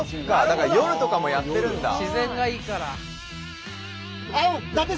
だから夜とかもやってるんだ。